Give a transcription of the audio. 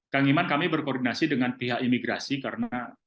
kang iman kami berkoordinasi dengan pihak imigrasi karena